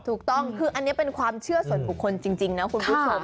ถูกต้องคืออันนี้เป็นความเชื่อส่วนบุคคลจริงนะคุณผู้ชม